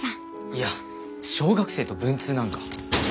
いや小学生と文通なんか。